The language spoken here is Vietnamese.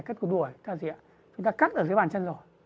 cắt cụt đuổi là gì ạ chúng ta cắt ở dưới bàn chân rồi